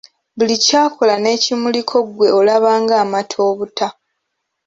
Buli ky’akola n’ekimuliko ggwe olaba ng’amata obuta.